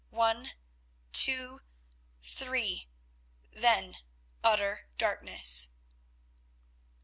One, two, three—then utter darkness.